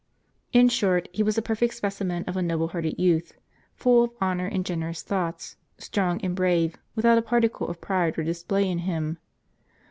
In short, he was a perfect specimen of a noble hearted youth, full of honor and generous thoughts; strong and brave, without a particle of pride or display in him.